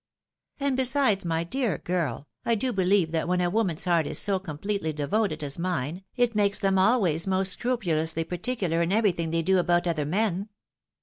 And besides, my dear girl, I do beheve that when a woman's heart is so com pletely devoted as mine, it makes them always most scrupu lously particidar in everything they do about other men.